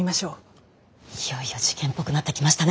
いよいよ事件っぽくなってきましたね。